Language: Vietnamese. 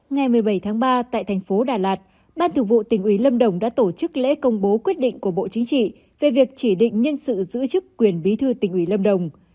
ngày một mươi bảy tháng ba tại thành phố đà lạt ban thực vụ tỉnh ủy lâm đồng đã tổ chức lễ công bố quyết định của bộ chính trị về việc chỉ định nhân sự giữ chức quyền bí thư tỉnh ủy lâm đồng